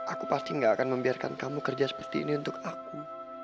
aku pasti gak akan membiarkan kamu kerja seperti ini untuk aku